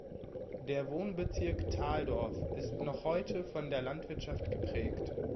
Der Wohnbezirk Taldorf ist noch heute von der Landwirtschaft geprägt.